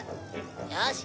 「よし！